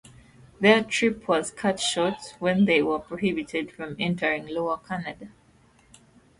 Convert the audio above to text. Their trip was cut short when they were prohibited from entering Lower Canada.